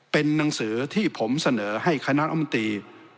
เป็นหนังสือที่ผมเสนอให้คณะอำตี